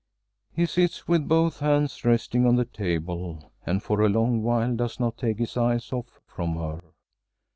He sits with both hands resting on the table and for a long while does not take his eyes off from her.